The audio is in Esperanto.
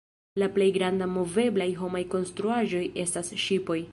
La plej grandaj moveblaj homaj konstruaĵoj estas ŝipoj.